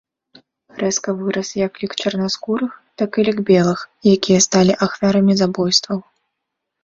Рэзка вырас як лік чарнаскурых, так і лік белых, якія сталі ахвярамі забойстваў.